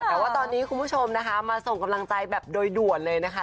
แต่ว่าตอนนี้คุณผู้ชมนะคะมาส่งกำลังใจแบบโดยด่วนเลยนะคะ